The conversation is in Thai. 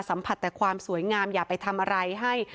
สัมผัสแต่ความสวยงามอย่าไปทำอะไรให้